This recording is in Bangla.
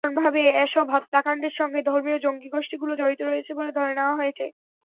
সাধারণভাবে এসব হত্যাকাণ্ডের সঙ্গে ধর্মীয় জঙ্গিগোষ্ঠীগুলো জড়িত রয়েছে বলে ধরে নেওয়া হচ্ছে।